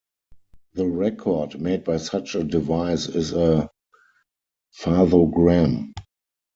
The record made by such a device is a fathogram.